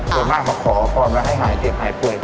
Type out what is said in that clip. ส่วนมากจะขอพรและให้หายเตียบหายเปื่อย